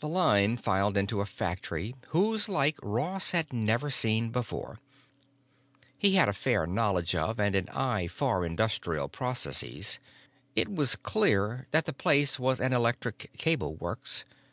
The line filed into a factory whose like Ross had never before seen. He had a fair knowledge of and eye for industrial processes; it was clear that the place was an electric cable works.